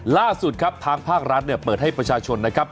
ล่าสุดครับทางภาครัฐเนี่ยเปิดให้ประชาชนนะครับ